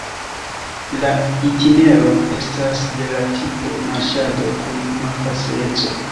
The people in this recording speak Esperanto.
La itinero estas de la tipo marŝado kun malfacileco.